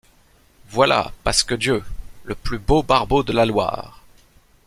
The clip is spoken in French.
Voilà, Pasques Dieu! le plus beau barbeau de la Loire !